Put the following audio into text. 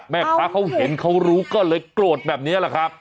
แม่ค้าเขาเห็นเขารู้ก็เลยโกรธแบบนี้แหละครับ